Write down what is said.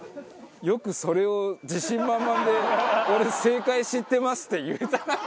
よくそれを自信満々で「俺正解知ってます」って言えたな。